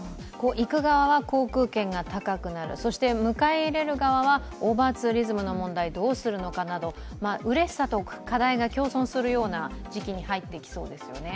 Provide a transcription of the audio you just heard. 行く側は航空券が高くなる、そして迎え入れる側はオーバーツーリズムの問題をどうするのかなど、うれしさと課題が共存するような時期に入ってきそうですよね。